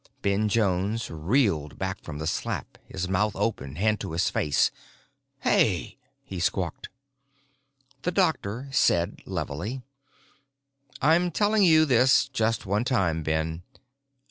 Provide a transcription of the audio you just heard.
_ Ben Jones reeled back from the slap, his mouth open, hand to his face. "Hey!" he squawked. The doctor said levelly, "I'm telling you this just one time, Ben.